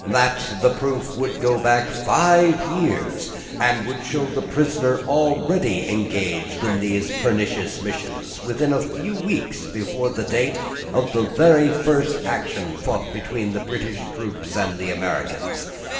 That, the proof would go back five years, and would show the prisoner already engaged in these pernicious missions, within a few weeks before the date of the very first action fought between the British troops and the Americans.